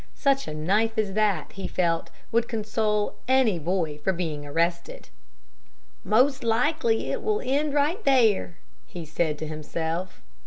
Such a knife as that, he felt, would console any boy for being arrested. "Most likely 't will end right there," he said to himself.